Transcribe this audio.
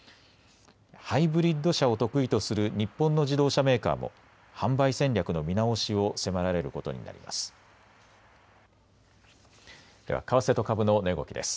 ハイブリッド車を得意とする日本の自動車メーカーも販売戦略の見直しを迫られることになります。